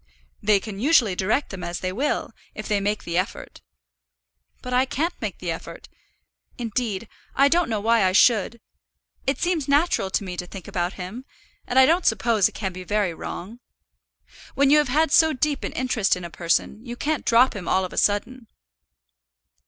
"They can usually direct them as they will, if they make the effort." "But I can't make the effort. Indeed, I don't know why I should. It seems natural to me to think about him, and I don't suppose it can be very wrong. When you have had so deep an interest in a person, you can't drop him all of a sudden."